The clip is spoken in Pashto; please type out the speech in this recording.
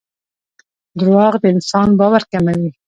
دراوغ دانسان باور کموي